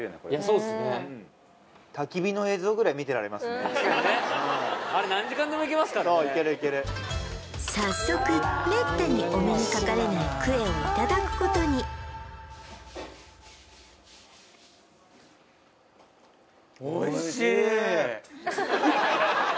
そうっすねあれ何時間でもいけますからねそういけるいける早速めったにお目にかかれないクエをいただくことにおいしい！